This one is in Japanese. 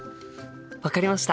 分かりました。